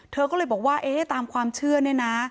เธอก็เลยบอกว่าเอ๊ะตามความเชื่อเนี่ยนะ